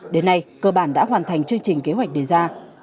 đến nay cơ bản đã hoàn thành chương trình kế hoạch đề ra